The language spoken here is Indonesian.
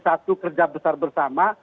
satu kerja besar bersama